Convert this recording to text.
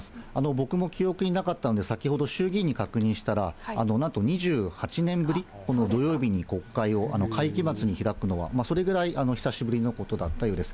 僕も記憶になかったので、先ほど衆議院に確認したら、なんと２８年ぶり、この土曜日に国会を、会期末に開くのは、それぐらい久しぶりのことだったようです。